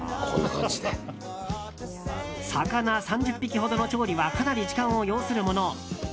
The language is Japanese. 魚３０匹ほどの調理はかなり時間を要するもの。